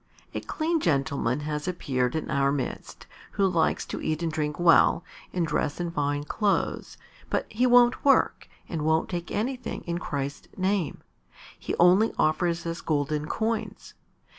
A clean gentleman has appeared in our midst who likes to eat and drink well, and dress in fine clothes, but he won't work and won't take anything in Christ's name; he only offers us golden coins.